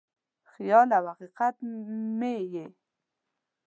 خیال او حقیقت مې یې